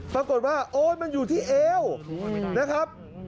ปรากฏว่าโอ๊ยมันอยู่ที่เอวนะครับ